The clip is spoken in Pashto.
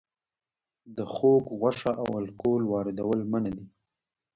د خوګ غوښه او الکول واردول منع دي؟